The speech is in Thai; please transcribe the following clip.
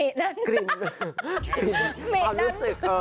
ก็กลิ่นว่านึกศึก